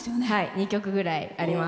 ２曲ぐらいあります。